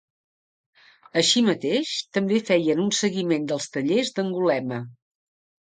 Així mateix, també feien un seguiment dels tallers d'Angulema.